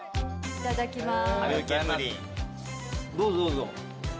いただきます。